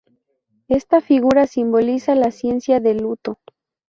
Esta figura simboliza la ciencia de luto.